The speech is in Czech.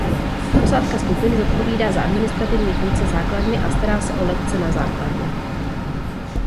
Posádka skupiny zodpovídá za administrativní funkce základny a stará se o letce na základně.